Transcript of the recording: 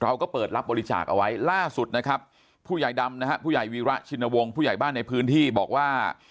เราก็เปิดรับบริจาคเอาไว้ล่าสุดนะครับผู้ใหญ่ดำนะฮะผู้ใหญ่วีระชินวงศ์ผู้ใหญ่บ้านในพื้นที่บอกว่า